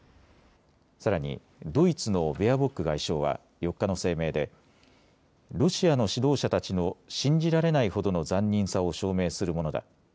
さらにドイツのベアボック外相は４日の声明でロシアの指導者たちの信じられないほどの残忍さを証明するものだ。